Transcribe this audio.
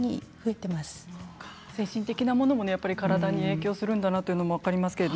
精神的なものも体に影響するんだなと分かります。